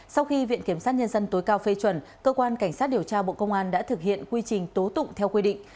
sau khi viện kiểm sát nhân dân tối cao phê chuẩn cơ quan cảnh sát điều tra bộ công an đã thực hiện quy trình tố tụng theo quy định